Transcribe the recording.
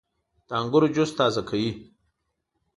• د انګورو جوس تازه کوي.